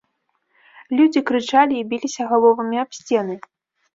Людзі крычалі і біліся галовамі аб сцены.